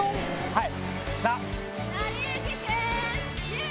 はい！